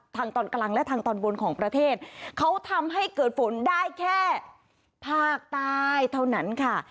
ตอนกลางและทางตอนบนของประเทศเขาทำให้เกิดฝนได้แค่ภาคใต้เท่านั้นค่ะ